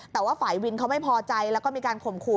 แต่ว่าฝ่ายวินเขาไม่พอใจแล้วก็มีการข่มขู่